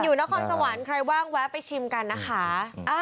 นครสวรรค์ใครว่างแวะไปชิมกันนะคะ